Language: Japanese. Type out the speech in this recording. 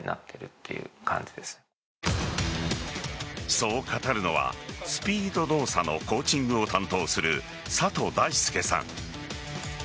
そう語るのはスピード動作のコーチングを担当する里大輔さん。